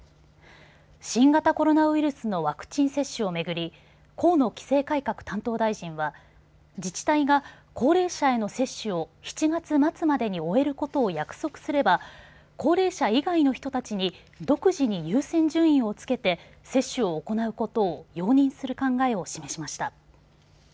新型コロナウイルスのワクチン接種を巡り河野規制改革担当大臣は自治体が高齢者への接種を７月末までに終えることを約束すれば高齢者以外の人たちに独自に優先順位をつけて接種を行うことを容認する考えを示しました。